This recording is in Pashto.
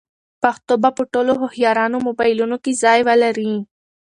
پښتو به په ټولو هوښیارانو موبایلونو کې ځای ولري.